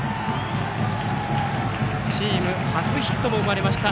チーム初ヒットも生まれました。